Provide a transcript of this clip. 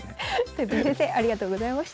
とよぴー先生ありがとうございました。